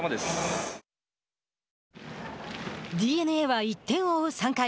ＤｅＮＡは１点を追う３回。